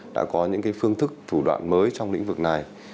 đã có những phương thức thủ đoạn mới trong lĩnh vực này